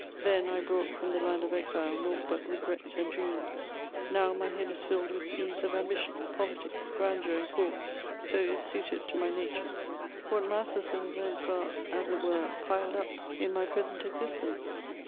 Then, I brought from the land of exile nought but regrets and dreams; now, my head is filled with scenes of ambition, politics, grandeur, and courts, so ill suited to my nature. What masses of events are, as it were, piled up in my present existence